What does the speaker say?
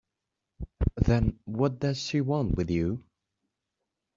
Then what does she want with you?